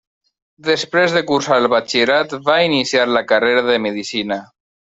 Després de cursar el batxillerat, va iniciar la carrera de Medicina.